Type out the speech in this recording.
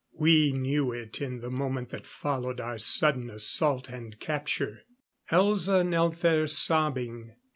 We knew it in the moment that followed our sudden assault and capture. Elza knelt there sobbing.